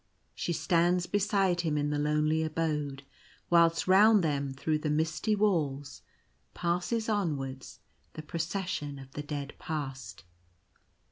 She stands beside him in the lonely abode, whilst round them through the misty walls passes onward the Proces sion of the Dead Past.